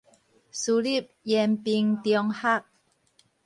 私立延平中學